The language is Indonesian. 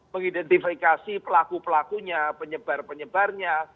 mengidentifikasi pelaku pelakunya penyebar penyebarnya